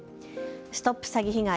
ＳＴＯＰ詐欺被害！